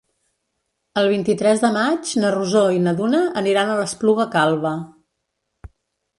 El vint-i-tres de maig na Rosó i na Duna aniran a l'Espluga Calba.